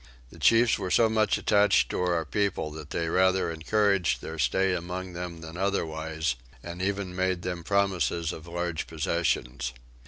The chiefs were so much attached to our people that they rather encouraged their stay among them than otherwise, and even made them promises of large possessions.